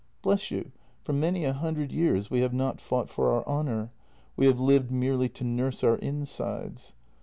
" Bless you, for many a hundred years we have not fought for our honour; we have lived merely to nurse our insides.